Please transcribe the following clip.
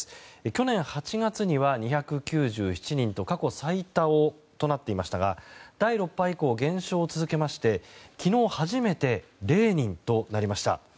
去年８月には２９７人と過去最多となっていましたが第６波以降、減少を続けまして昨日初めて０人となりました。